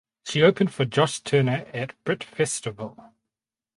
She opened for Josh Turner at Britt Festival.